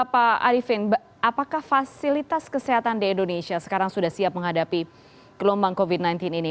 pak arifin apakah fasilitas kesehatan di indonesia sekarang sudah siap menghadapi gelombang covid sembilan belas ini